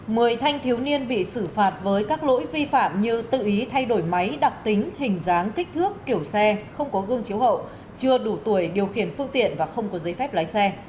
mười thanh thiếu niên bị xử phạt với các lỗi vi phạm như tự ý thay đổi máy đặc tính hình dáng kích thước kiểu xe không có gương chiếu hậu chưa đủ tuổi điều khiển phương tiện và không có giấy phép lái xe